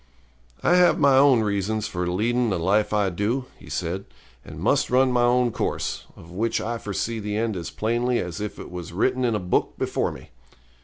'I have my own reasons for leading the life I do,' he said, 'and must run my own course, of which I foresee the end as plainly as if it was written in a book before me.